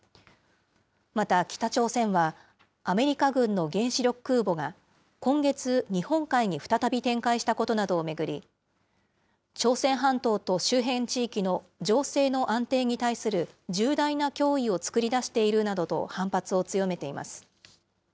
また北朝鮮は、アメリカ軍の原子力空母が今月、日本海に再び展開したことなどを巡り、朝鮮半島と周辺地域の情勢の安定に対する重大な脅威を作り出しているなどと、反発を強めています。